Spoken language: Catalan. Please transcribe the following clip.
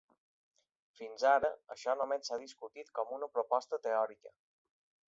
Fins ara, això només s'ha discutit com una proposta teòrica.